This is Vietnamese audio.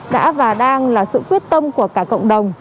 đã và đang là sự quyết tâm của cả cộng đồng